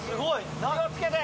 気を付けて！